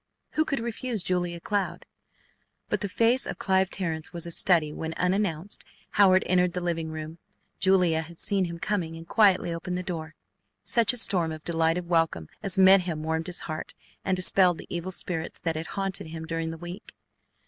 Who could refuse Julia Cloud? But the face of Clive Terrence was a study when, unannounced, Howard entered the living room. Julia Cloud had seen him coming and quietly opened the door. Such a storm of delighted welcome as met him warmed his heart and dispelled the evil spirits that had haunted him during the week.